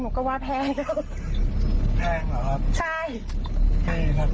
นี่ครับมันแพงเหรอนี่หรอครับ